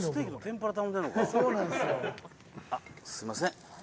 あっすいません。